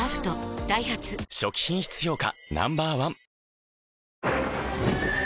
ダイハツ初期品質評価